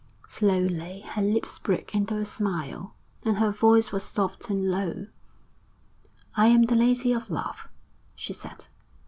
Slowly her lips broke into a smile, and her voice was soft and low. 'I am the Lady of Love,' she said.